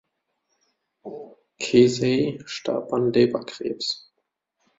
Kesey starb an Leberkrebs.